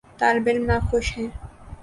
طالب علم ناخوش ہیں۔